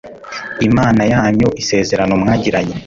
imana yanyu, isezerano mwagiranye